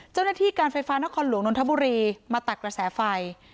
เจ้าหน้าที่การไฟฟ้านครหลวงนนทบุรีมาตัดกระแสไฟ